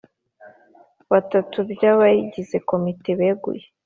batatu by abayigize komite beguye